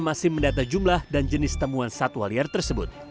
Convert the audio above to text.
masih mendata jumlah dan jenis temuan satwa liar tersebut